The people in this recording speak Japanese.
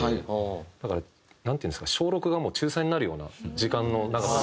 だからなんていうんですか小６がもう中３になるような時間の長さ。